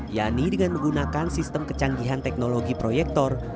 yakni dengan menggunakan sistem kecanggihan teknologi proyektor